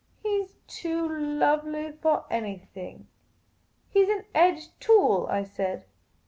He 's too lovely for any thing !"" He 's an edged tool," I said.